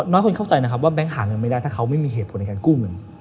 น้อยคนเข้าใจนะครับว่าแก๊งหาเงินไม่ได้ถ้าเขาไม่มีเหตุผลในการกู้เงิน